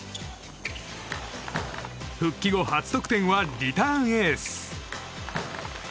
復帰後初得点はリターンエース。